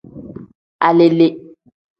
Alele.